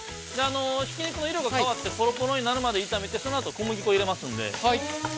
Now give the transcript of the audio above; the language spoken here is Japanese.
◆ひき肉の色が変わってポロポロになるまで炒めてそのあと、小麦粉を入れますので。